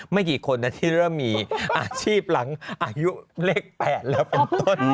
กี่คนนะที่เริ่มมีอาชีพหลังอายุเลข๘แล้วเป็นต้น